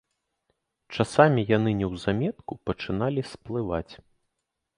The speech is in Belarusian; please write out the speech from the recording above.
Часамі яны неўзаметку пачыналі сплываць.